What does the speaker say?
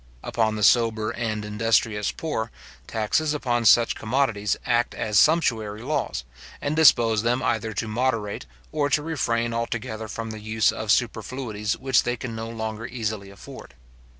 Upon the sober and industrious poor, taxes upon such commodities act as sumptuary laws, and dispose them either to moderate, or to refrain altogether from the use of superfluities which they can no longer easily afford.